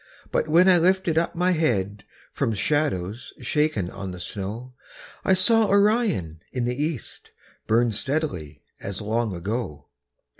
But when I lifted up my head From shadows shaken on the snow, I saw Orion in the east Burn steadily as long ago.